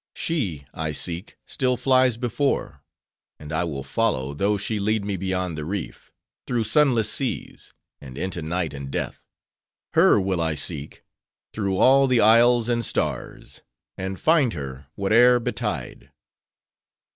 She I seek, still flies before; and I will follow, though she lead me beyond the reef; through sunless seas; and into night and death. Her, will I seek, through all the isles and stars; and find her, whate'er betide!"